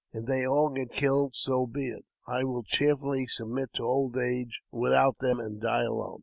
If they all get killed, so be it ; I will cheerfully submit to old age without them, and die alone."